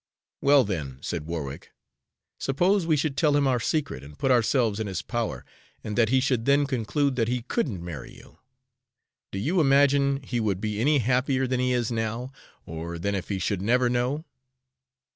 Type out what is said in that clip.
"Well, then," said Warwick, "suppose we should tell him our secret and put ourselves in his power, and that he should then conclude that he couldn't marry you? Do you imagine he would be any happier than he is now, or than if he should never know?"